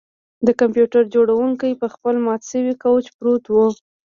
د کمپیوټر جوړونکی په خپل مات شوي کوچ پروت و